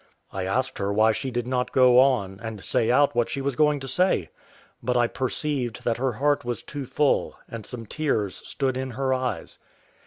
I asked her why she did not go on, and say out what she was going to say? But I perceived that her heart was too full, and some tears stood in her eyes.